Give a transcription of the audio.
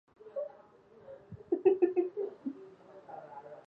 其子杨玄感后来反叛隋朝。